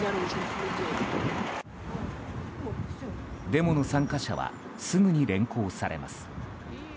デモの参加者はすぐに連行されます。